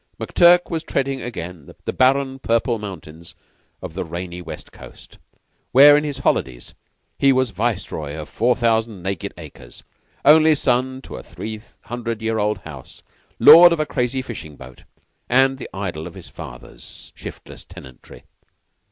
McTurk was treading again the barren purple mountains of the rainy West coast, where in his holidays he was viceroy of four thousand naked acres, only son of a three hundred year old house, lord of a crazy fishing boat, and the idol of his father's shiftless tenantry.